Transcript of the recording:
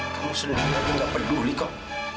kamu sendiri aja gak peduli kok